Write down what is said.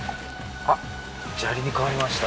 あっ砂利に変わりました